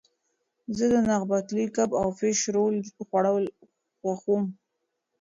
زه د نغښتلي کب او فش رول خوړل خوښوم.